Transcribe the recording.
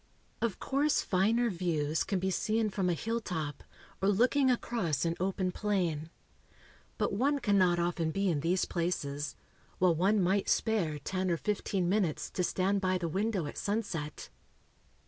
Of course finer views can be seen from a hilltop, or looking across an open plain. But one cannot often be in these places, while one might spare ten or fifteen minutes to stand by the window at sunset?